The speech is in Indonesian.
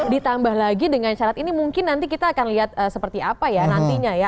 ditambah lagi dengan syarat ini mungkin nanti kita akan lihat seperti apa ya nantinya ya